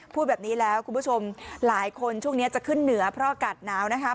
พูดแบบนี้แล้วคุณผู้ชมหลายคนช่วงนี้จะขึ้นเหนือเพราะอากาศหนาวนะคะ